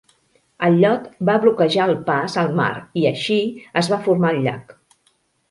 El llot va bloquejar el pas al mar i, així, es va formar el llac.